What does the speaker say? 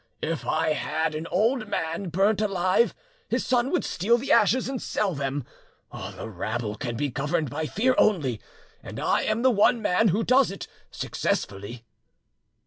If I had an old man burnt alive, his son would steal the ashes and sell them. The rabble can be governed by fear only, and I am the one man who does it successfully."